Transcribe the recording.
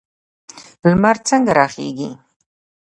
لمر څنګه راخیږي؟